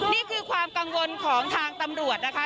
นี่คือความกังวลของทางตำรวจนะคะ